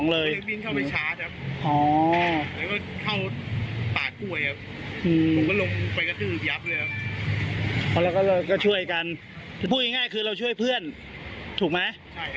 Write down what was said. แล้วก็ช่วยกันพูดง่ายคือเราช่วยเพื่อนถูกมั้ย